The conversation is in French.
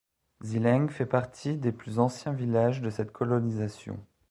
Zileng fait partie des plus anciens villages de cette colonisation.